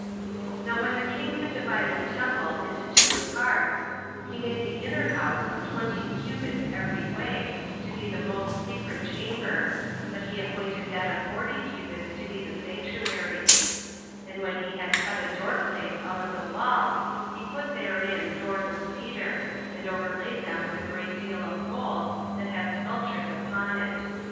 3. Now when the king had divided the temple into two parts, he made the inner house of twenty cubits [every way], to be the most secret chamber, but he appointed that of forty cubits to be the sanctuary; and when he had cut a door place out of the wall, he put therein doors of Cedar, and overlaid them with a great deal of gold, that had sculptures upon it.